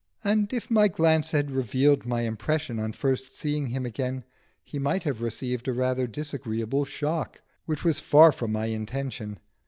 And if my glance had revealed my impression on first seeing him again, he might have received a rather disagreeable shock, which was far from my intention.